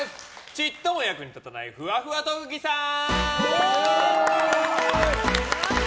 ちっとも役に立たないふわふわ特技さん！